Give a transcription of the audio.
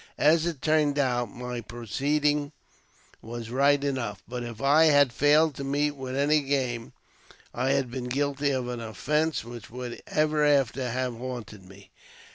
As it turned out, my proceeding was right enough ; but if I had failed to meet with any game, I had been guilty of an offenc3 which would ever after have haunted me.